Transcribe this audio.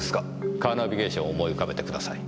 カーナビゲーションを思い浮かべてください。